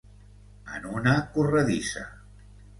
En una corredissa.